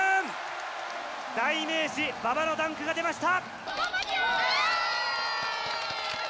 代名詞、馬場のダンクが出ました。